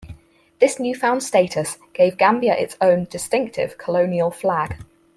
This newfound status gave the Gambia its own "distinctive" colonial flag.